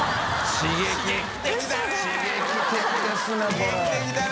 刺激的だね。